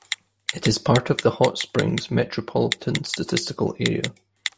It is part of the Hot Springs Metropolitan Statistical Area.